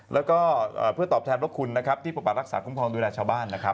แล้วก็เพื่อตอบแทนรบคุณที่ปกปักรักษาคุมพลาดดูแลชาวบ้านนะครับ